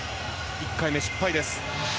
１回目、失敗です。